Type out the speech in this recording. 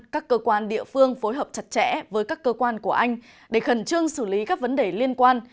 các cơ quan địa phương phối hợp chặt chẽ với các cơ quan của anh để khẩn trương xử lý các vấn đề liên quan